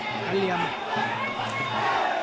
ตายแยก